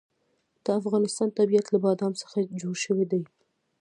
د افغانستان طبیعت له بادام څخه جوړ شوی دی.